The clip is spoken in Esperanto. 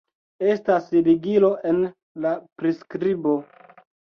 Estas ligilo en la priskribo